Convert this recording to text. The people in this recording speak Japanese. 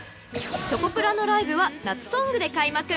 ［チョコプラのライブは夏ソングで開幕］